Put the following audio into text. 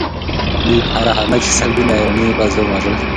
دوی په هره حمله کې سلګونه ایراني پوځیان وژل.